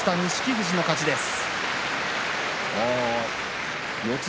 富士の勝ちです。